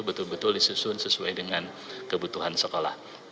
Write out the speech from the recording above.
betul betul disusun sesuai dengan kebutuhan sekolah